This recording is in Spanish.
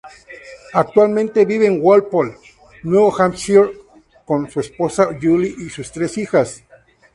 Actualmente vive en Walpole, Nuevo Hampshire, con su esposa Julie y sus tres hijas.